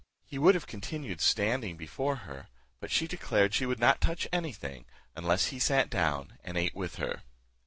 He would have continued standing before her, but she declared she would not touch any thing, unless he sat down and ate with her.